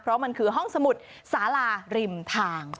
เพราะมันคือห้องสมุดสาลาริมทาง